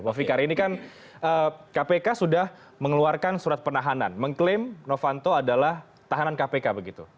pak fikar ini kan kpk sudah mengeluarkan surat penahanan mengklaim novanto adalah tahanan kpk begitu